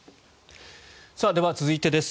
では、続いてです。